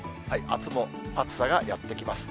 あすも暑さがやって来ます。